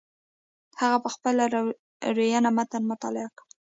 هغه په خپله لورینه متن مطالعه کړ.